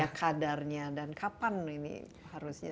ada kadarnya dan kapan ini harusnya